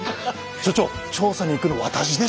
所長調査に行くの私でしょう？